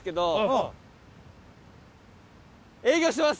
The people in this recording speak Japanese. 営業してます！